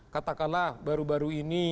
katakanlah baru baru ini